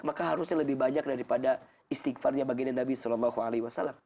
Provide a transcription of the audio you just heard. maka harusnya lebih banyak daripada istighfarnya baginda nabi saw